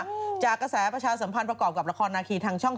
จากกระแสประชาสัมพันธ์ประกอบกับละครนาคีทางช่อง